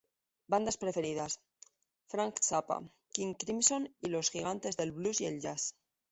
Bandas preferidas: Frank Zappa, King Crimson y los gigantes del blues y el jazz.